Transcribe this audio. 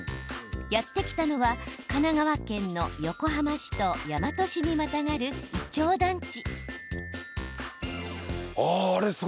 やって来たのは神奈川県の横浜市と大和市にまたがる、いちょう団地。